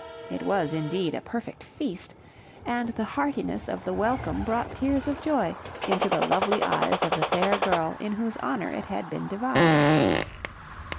It was, indeed, a perfect feast, and the heartiness of the welcome brought tears of joy into the lovely eyes of the fair girl in whose honor it had been devised.